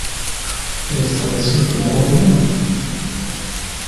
Yesseḍs-ikem waya?